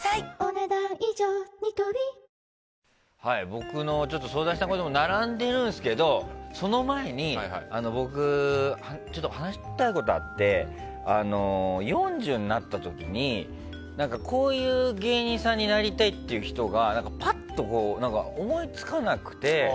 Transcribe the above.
僕の相談したいことも並んでるんですけどその前に僕ちょっと話したいことがあって４０になった時にこういう芸人さんになりたいっていう人がぱっと思いつかなくて。